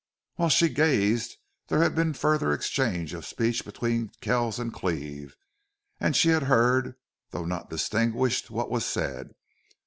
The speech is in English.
While she gazed there had been further exchange of speech between Kells and Cleve, and she had heard, though not distinguished, what was said.